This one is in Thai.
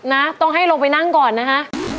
นะต้องให้ลงไปนั่งก่อนนะฮะ